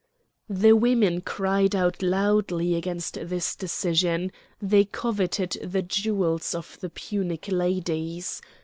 The women cried out loudly against this decision; they coveted the jewels of the Punic ladies.